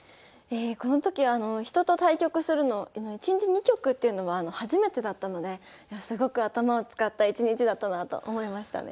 この時人と対局するの１日２局っていうのは初めてだったのですごく頭を使った１日だったなあと思いましたね。